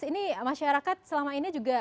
ini masyarakat selama ini juga